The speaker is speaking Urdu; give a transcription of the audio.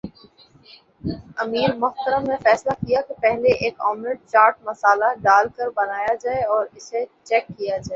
امیر محترم نے فیصلہ کیا کہ پہلے ایک آملیٹ چاٹ مصالحہ ڈال کر بنایا جائے اور اسے چیک کیا جائے